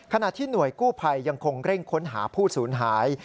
ขณะที่หน่วยกู้ภัยยังคงเร่งค้นหาผู้สูญหาย